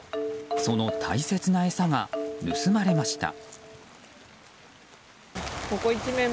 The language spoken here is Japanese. その大切な餌が盗まれました。